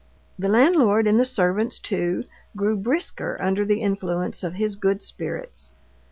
The landlord and the servants, too, grew brisker under the influence of his good spirits.